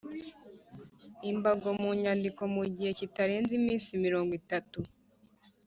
imbago mu nyandiko mu gihe kitarenze iminsi mirongo itatu